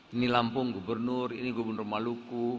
ini lampung gubernur ini gubernur maluku